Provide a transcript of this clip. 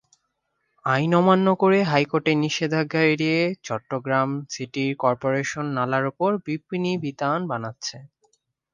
আইন অমান্য করে, হাইকোর্টের নিষেধাজ্ঞা এড়িয়ে চট্টগ্রাম সিটি করপোরেশন নালার ওপর বিপণিবিতান বানাচ্ছে।